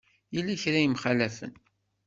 Yella kra i yemxalafen.